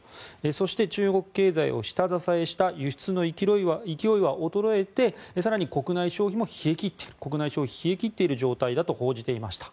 そして中国経済を下支えした輸出の勢いは衰えて更に、国内消費も冷え切っている状態だと報じていました。